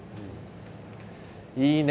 いいね。